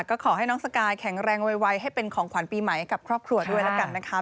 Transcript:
ก็ขอให้น้องสกายแข็งแรงไวให้เป็นของขวัญปีใหม่ให้กับครอบครัวด้วยแล้วกันนะคะ